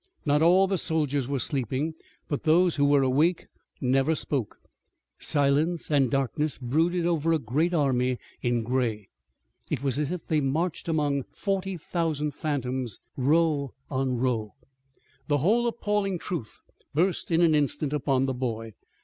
Not all the soldiers were sleeping, but those who were awake never spoke. Silence and darkness brooded over a great army in gray. It was as if they marched among forty thousand phantoms, row on row. The whole appalling truth burst in an instant upon the boy.